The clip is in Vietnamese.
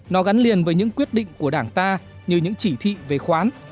nó gắn liền với những quyết định của đảng ta như những chỉ thị về khoán